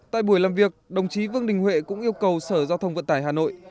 tại buổi làm việc đồng chí vương đình huệ cũng yêu cầu sở giao thông vận tải hà nội